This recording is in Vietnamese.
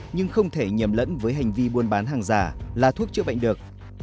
nhưng không thể nhầm lẫn với hành vi buôn bán hàng giả là thuốc chữa bệnh được